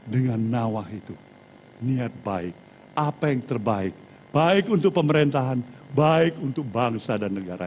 dengan nawah itu niat baik apa yang terbaik baik untuk pemerintahan baik untuk bangsa dan negara